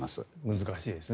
難しいですね。